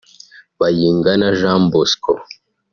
Bayingana Jean Bosco